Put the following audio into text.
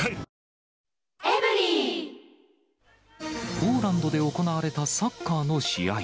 ポーランドで行われたサッカーの試合。